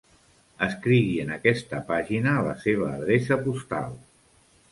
Escrigui en aquesta pàgina la seva adreça postal.